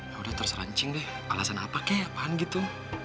ya udah terus rancang deh alasan apa kek apaan gitu